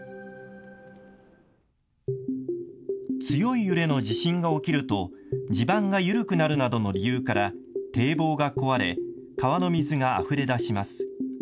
強い揺れの地震が起きると地盤が緩くなるなどの理由から堤防が壊れ川の水があふれ出します。